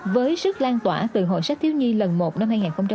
với sức lan tỏa từ hội sách hiếu nhi lần một năm hai nghìn một mươi chín